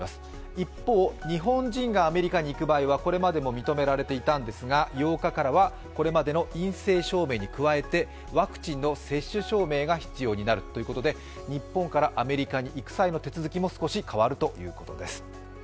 一方、日本人がアメリカに行く場合はこれまでも認められていたんですが、８日からはこれまでの陰性証明に加えてワクチンの接種証明が必要になるということで日本からアメリカに行く際の手続きも少し変わるということです。